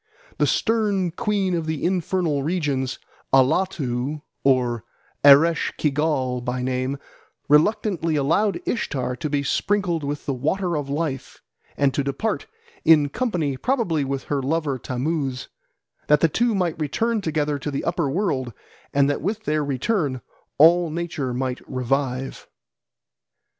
The stern queen of the infernal regions, Allatu or Eresh Kigal by name, reluctantly allowed Ishtar to be sprinkled with the Water of Life and to depart, in company probably with her lover Tammuz, that the two might return together to the upper world, and that with their return all nature might revive.